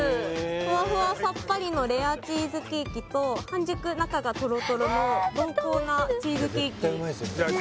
ふわふわさっぱりのレアチーズケーキと半熟中がとろとろの濃厚なチーズケーキえっ絶対おいしいです